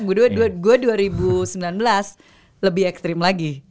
gue dua ribu sembilan belas lebih ekstrim lagi